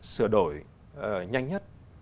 sửa đổi nhanh nhất